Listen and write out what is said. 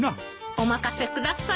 お任せください。